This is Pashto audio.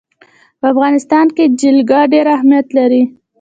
په افغانستان کې جلګه ډېر اهمیت لري.